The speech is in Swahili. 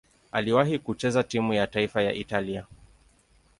Aliwahi kucheza timu ya taifa ya Italia.